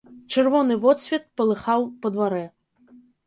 Чырвоны водсвет палыхаў па дварэ.